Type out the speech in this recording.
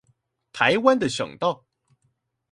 臺灣的省道